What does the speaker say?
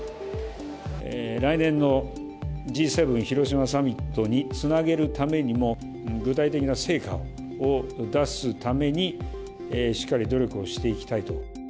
来年のＧ７広島サミットにつなげるためにも、具体的な成果を出すために、しっかり努力をしていきたいと。